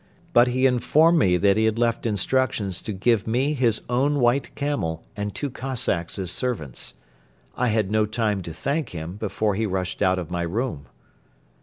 But he informed me that he had left instructions to give me his own white camel and two Cossacks as servants. I had no time to thank him before he rushed out of my room.